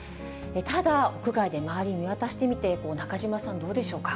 ただ、屋外で周り見渡してみて、中島さん、どうでしょうか。